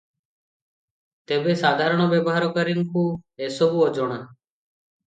ତେବେ ସାଧାରଣ ବ୍ୟବହାରକାରୀଙ୍କୁ ଏସବୁ ଅଜଣା ।